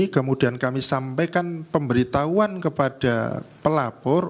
kemudian kami sampaikan pemberitahuan kepada pelapor